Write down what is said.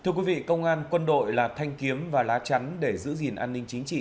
thưa quý vị công an quân đội là thanh kiếm và lá chắn để giữ gìn an ninh chính trị